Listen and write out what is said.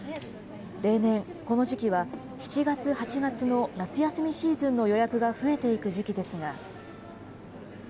例年、この時期は７月、８月の夏休みシーズンの予約が増えていく時期ですが。